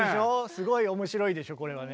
すごい面白いでしょこれはね。